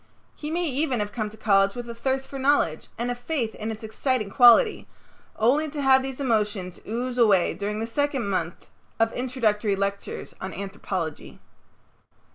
He may even have come to college with a thirst for knowledge and a faith in its exciting quality, only to have these emotions ooze away during the second month of introductory lectures on anthropology.